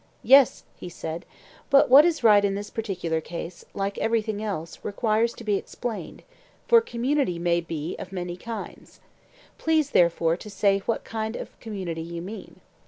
Yes, he said; but what is right in this particular case, like everything else, requires to be explained; for community may be of many kinds. Please, therefore, to say what sort of community you mean.